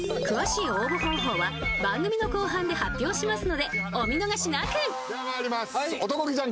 詳しい応募方法は番組の後半で発表しますのでお見逃しなく。